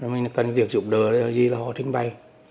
mình cần việc giúp đỡ là họ trình bày